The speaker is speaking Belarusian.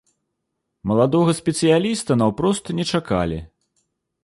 Маладога спецыяліста наўпрост не чакалі.